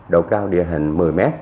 độ cao địa hình một mươi m